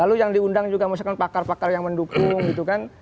lalu yang diundang juga misalkan pakar pakar yang mendukung gitu kan